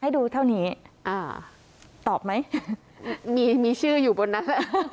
ดูเท่านี้อ่าตอบไหมมีมีชื่ออยู่บนนั้น